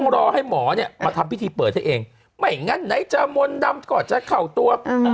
รอให้หมอเนี่ยมาทำวิธีเปลี่ยนให้เองมัยงั้นไหนจะมนดำก่อจะเข้าตัว